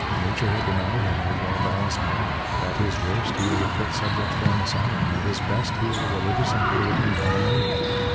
Nature had denied him a well balanced mind. At his worst he was a fit subject for an asylum, at his best he was a religious and political monomaniac.'